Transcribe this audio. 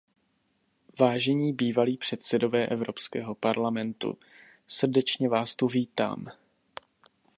Vážení bývalí předsedové Evropského parlamentu, srdečně vás tu vítám.